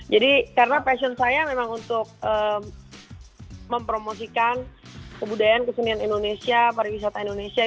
jadi karena passion saya memang untuk mempromosikan kebudayaan kesenian indonesia pariwisata indonesia